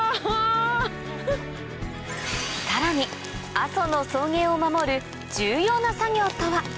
さらに阿蘇の草原を守る重要な作業とは？